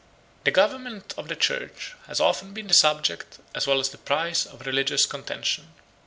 The government of the church has often been the subject, as well as the prize, of religious contention.